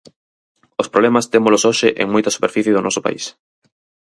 Os problemas témolos hoxe en moita superficie do noso país.